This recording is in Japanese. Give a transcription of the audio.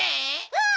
うん！